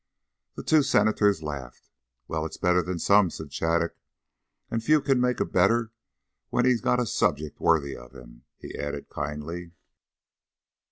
The two Senators laughed. "Well, it's better than some," said Shattuc. "And few can make a better when he's got a subject worthy of him," he added kindly.